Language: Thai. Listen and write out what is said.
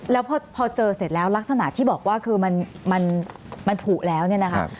แล้วพอเจอเสร็จแล้วลักษณะที่บอกว่าคือมันผูกแล้วเนี่ยนะคะ